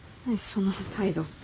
その態度って。